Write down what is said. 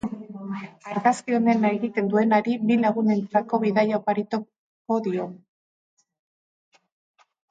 Argazki onena egiten duenari bi lagunentzako bidaia oparituko diogu.